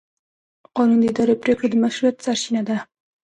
قانون د اداري پرېکړو د مشروعیت سرچینه ده.